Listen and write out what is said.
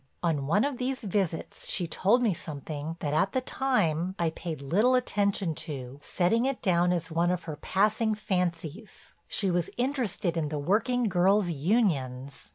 On one of these visits she told me something that, at the time, I paid little attention to, setting it down as one of her passing fancies; she was interested in the working girls' unions.